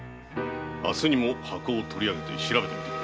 明日にも箱を取り上げ調べてみてくれ。